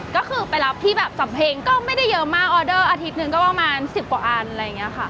ก็คือไปรับที่แบบสำเพงก็ไม่ได้เยอะมากออเดอร์อาทิตย์หนึ่งก็ประมาณ๑๐กว่าอันอะไรอย่างนี้ค่ะ